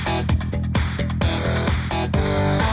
saya merasa lebih sederhana